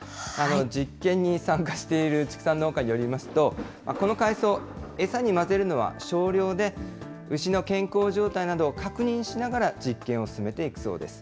実験に参加している畜産農家によりますと、この海藻、餌に混ぜるのは少量で、牛の健康状態などを確認しながら実験を進めていくそうです。